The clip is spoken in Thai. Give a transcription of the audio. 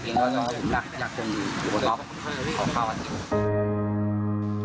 เพียงก็เพราะผมอยากอยู่บนรอบขอบคุณครับ